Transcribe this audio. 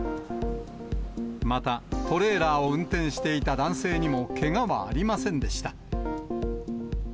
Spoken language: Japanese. また、トレーラーを運転していた男性にもけがはありませんでした。